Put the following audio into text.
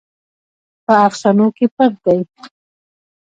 په افسانو کې پټ دی.